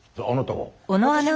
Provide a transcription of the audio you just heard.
あなたは？